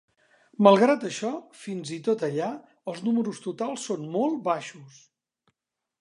Malgrat això, fins i tot allà, els números totals són molt baixos.